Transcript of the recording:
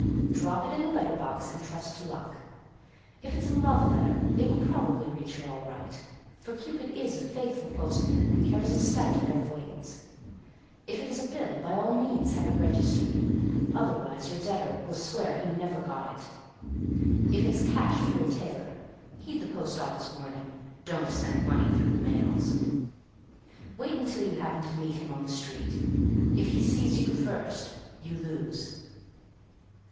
Drop it in a letter box and trust to luck. If it's a love letter, it will probably reach her all right, for Cupid is a faithful postman and carries a stout pair of wings. If it's a bill, by all means have it registered; otherwise, your debtor will swear he never got it. If it's cash for your tailor, heed the post office warning, "Don't send money through the mails." Wait until you happen to meet him on the street. If he sees you first, you lose.